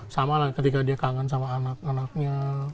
sama lah ketika dia kangen sama anak anaknya